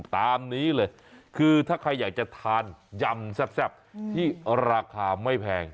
ตามนี้เลยคือถ้าใครอยากจะทานยำแซ่บที่ราคาไม่แพง